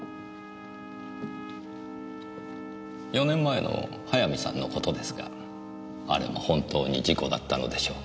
４年前の早見さんの事ですがあれも本当に事故だったのでしょうか？